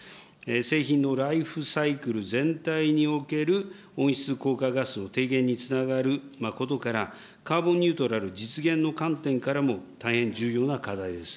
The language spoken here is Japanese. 製品のライフサイクル全体における温室効果ガスの低減につながることから、カーボンニュートラル実現の観点からも、大変重要な課題です。